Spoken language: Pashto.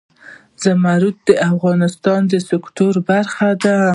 زمرد د افغانستان د سیلګرۍ برخه ده.